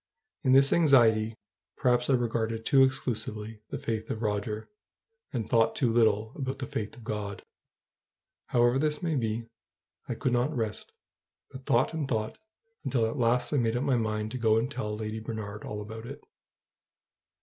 In this anxiety perhaps I regarded too exclusively the faith of Roger, and thought too little about the faith of God. However this may be, I could not rest, but thought and thought, until at last I made up my mind to go and tell Lady Bernard all about it.